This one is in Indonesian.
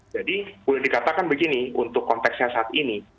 jadi boleh dikatakan begini untuk konteksnya saat ini